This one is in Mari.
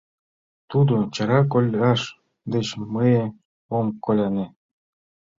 Тудо чара коляж деч мые ом коляне...